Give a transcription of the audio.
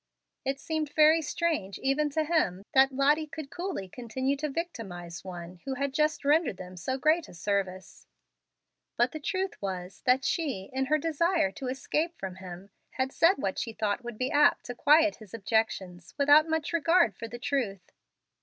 It seemed very strange, even to him, that Lottie could coolly continue to victimize one who had just rendered them so great a service. But the truth was, that she, in her desire to escape from him, had said what she thought would be apt to quiet his objections without much regard for the truth.